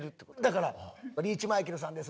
だから「リーチ・マイケルさんです」